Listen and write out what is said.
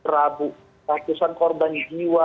rabu ratusan korban jiwa